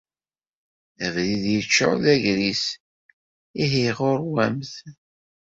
Abrid yeččuṛ d agris, ihi ɣuṛwemt.